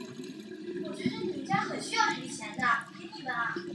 这个故事关系到林瑞间的婚姻。